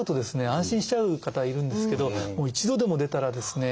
安心しちゃう方がいるんですけどもう一度でも出たらですね